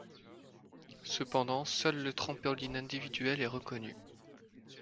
Cependant seul le trampoline individuel est reconnu.